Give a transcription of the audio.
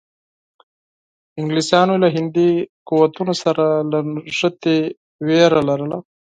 انګلیسانو له هندي قوتونو سره له نښتې وېره لرله.